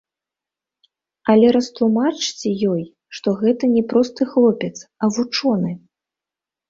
Але растлумачце ёй, што гэта не просты хлопец, а вучоны.